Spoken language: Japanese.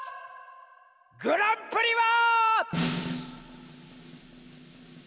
グランプリは！